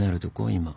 今。